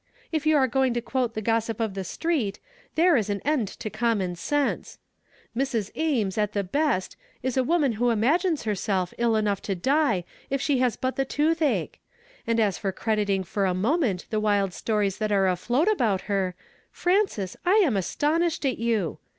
If you are going to quote the gossip of the street, there is an end to com ."on sense. Ata. Ames, at the best, is a wo„,.an who imagines he.^elf ill enough to die if she has iM.t the toothaehe; and as for crediting for a mon, ent the wild stories that are afloat about her J nmces, lam astonished at you!